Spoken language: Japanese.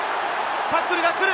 タックルが来る！